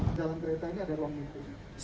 jalan keretanya ada ruang nipis